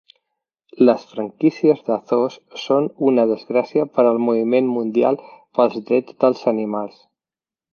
Les franquícies de zoos són una desgràcia per al moviment mundial pels drets dels animals.